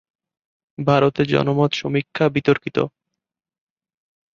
ভারতে জনমত সমীক্ষা বিতর্কিত।